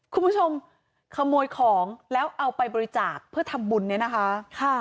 คุณผู้ชมขโมยของแล้วเอาไปบริจาคเพื่อทำบุญเนี่ยนะคะ